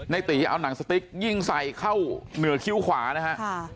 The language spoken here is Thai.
ตีเอาหนังสติ๊กยิงใส่เข้าเหนือคิ้วขวานะฮะ